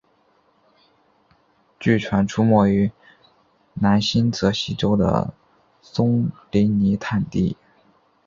据传出没于南新泽西州的松林泥炭地。